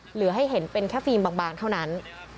เหลือให้เห็นเป็นแค่ฟิล์มบางเท่านั้น